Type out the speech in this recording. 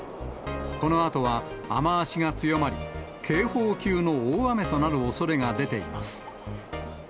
このあとは雨足が強まり、警報級の大雨となるおそれが出ています。